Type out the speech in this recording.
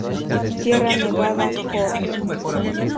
Sierra Nevada Corp.